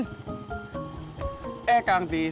gua pengen jalan kaki ke cikini